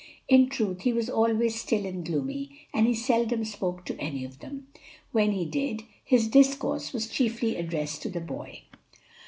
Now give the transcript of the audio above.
In truth he was always still and gloomy, and he seldom spoke to any of them; when he did, his discourse was chiefly addressed to the boy.